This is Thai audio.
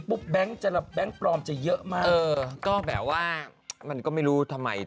แบงค์จะแบงค์ปลอมจะเยอะมากเออก็แบบว่ามันก็ไม่รู้ทำไม